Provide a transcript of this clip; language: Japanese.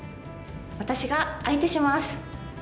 私が相手します！